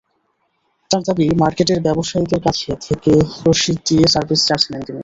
তাঁর দাবি, মার্কেটের ব্যবসায়ীদের কাছ থেকে রসিদ দিয়ে সার্ভিস চার্জ নেন তিনি।